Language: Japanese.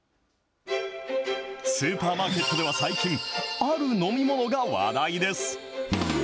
スーパーマーケットでは最近、ある飲み物が話題です。